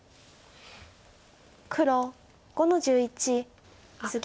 黒５の十一ツギ。